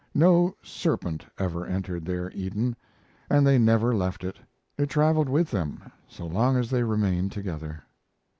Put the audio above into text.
No Serpent ever entered their Eden. And they never left it; it traveled with them so long as they remained together.